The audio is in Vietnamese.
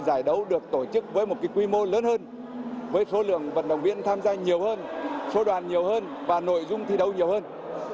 giải đấu được tổ chức với một quy mô lớn hơn với số lượng vận động viên tham gia nhiều hơn số đoàn nhiều hơn và nội dung thi đấu nhiều hơn